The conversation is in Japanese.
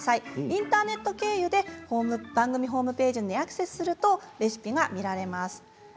インターネット経由で番組ホームページにアクセスするとレシピが見られます。